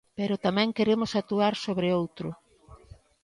Pero tamén queremos actuar sobre outro.